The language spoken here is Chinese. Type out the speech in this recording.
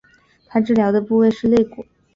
她治疗的部位是肋骨。